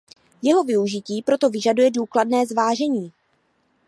Jeho využití proto vyžaduje důkladné zvážení.